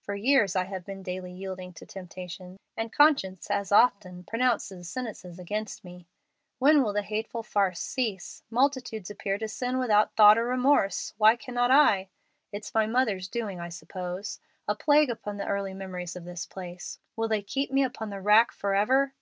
For years I have been daily yielding to temptation, and conscience as often pronounces sentence against me. When will the hateful farce cease? Multitudes appear to sin without thought or remorse. Why cannot I? It's my mother's doings, I suppose. A plague upon the early memories of this place. Will they keep me upon the rack forever?"